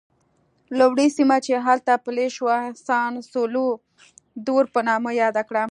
لومړی سیمه چې هلته پلی شو سان سولوا دور په نامه یاد کړه.